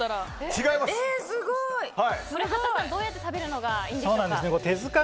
八田さん、これはどうやって食べるのがいいんでしょうか？